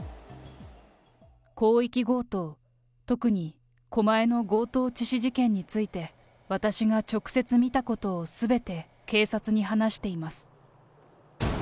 広域強盗、特に狛江の強盗致死事件について、私が直接見たことをすべて警察に話しています。